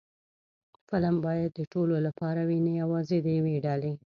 فلم باید د ټولو لپاره وي، نه یوازې د یوې ډلې